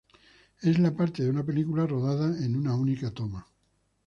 Es la parte de una película rodada en una única toma.